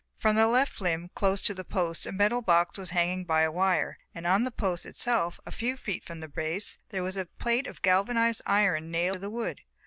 From the left limb close to the post a metal box was hanging by a wire, and on the post itself, a few feet from the base, there was a plate of galvanised iron nailed to the wood.